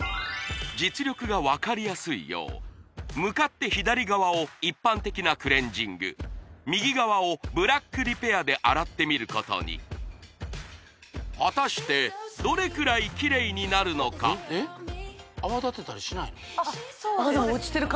実力が分かりやすいよう向かって左側を一般的なクレンジング右側をブラックリペアで洗ってみることに果たしてどれくらいキレイになるのかでも落ちてる